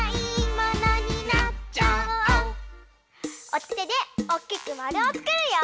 おててでおっきくまるをつくるよ。